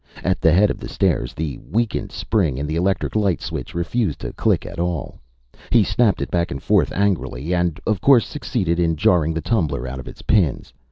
At the head of the stairs, the weakened spring in the electric light switch refused to click at all. He snapped it back and forth angrily and, of course, succeeded in jarring the tumbler out of its pins.